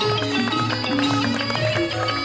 โอเคครับ